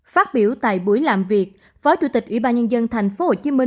phát biểu tại buổi làm việc phó chủ tịch ủy ban nhân dân tp hcm